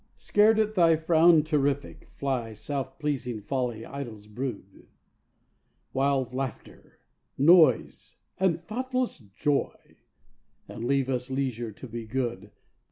Scared at thy frown terrific, fly Self pleasing Folly's idle brood, Wild Laughter, Noise, and thoughtless Joy, And leave us leisure to be good.